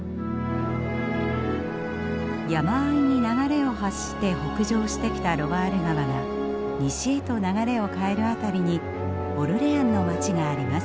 山あいに流れを発して北上してきたロワール川が西へと流れを変える辺りにオルレアンの街があります。